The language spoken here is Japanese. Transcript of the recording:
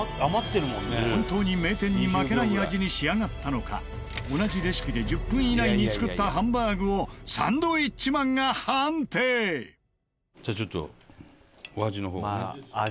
本当に名店に負けない味に仕上がったのか同じレシピで１０分以内に作ったハンバーグをじゃあちょっとお味の方をね。